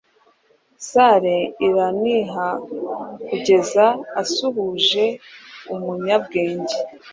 salle iranihakugeza asuhuje umunyabwenge